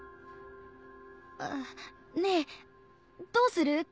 あねぇどうする？